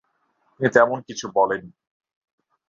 তিনি তেমন কিছু বলেন নি।